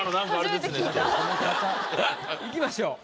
いきましょう。